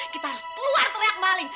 kita harus keluar teriak maling